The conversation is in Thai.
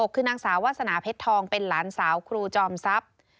คือนางสาววาสนาเพชรทองเป็นหลานสาวครูจอมทรัพย์